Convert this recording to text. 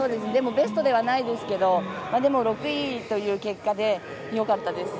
ベストではないですけどでも６位という結果でよかったです。